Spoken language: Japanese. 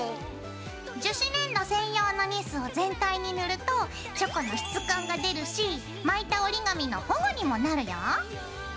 樹脂粘土専用のニスを全体に塗るとチョコの質感が出るし巻いた折り紙の保護にもなるよ。